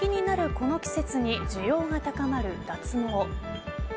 この季節に需要が高まる脱毛。